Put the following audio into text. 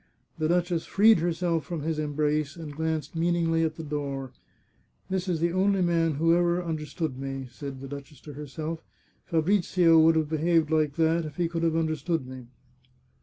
The duchess freed herself from his embrace, and glanced mean ingly at the door. " This is the only man who has ever understood me," said the duchess to herself. " Fabrizio would have behaved like that if he could have understood me."